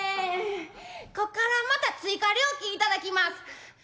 こっからまた追加料金頂きます」。